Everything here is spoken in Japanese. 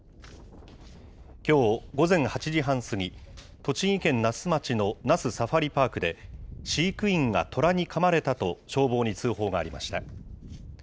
きょう午前８時半過ぎ、栃木県那須町の那須サファリパークで、飼育員がトラにかまれたと、消防に通報がありました。